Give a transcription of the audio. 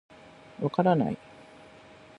分からない。